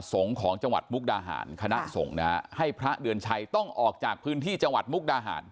สงฆ์ของจังหวัดมุกดาหารคณะสงฆ์นะฮะให้พระเดือนชัยต้องออกจากพื้นที่จังหวัดมุกดาหาร